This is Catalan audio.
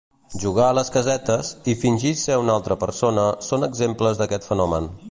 Jugar a les casetes i fingir ser una altra persona són exemples d'aquest fenomen.